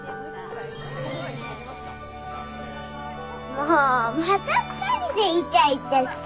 もうまた２人でイチャイチャして。